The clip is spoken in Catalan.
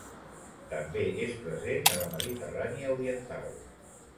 També és present a la Mediterrània oriental.